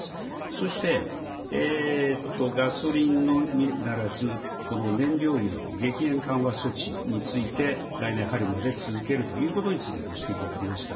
そしてガソリンのみならず、この燃料費の激減緩和措置について来年春まで続けるということについてご指摘がありました。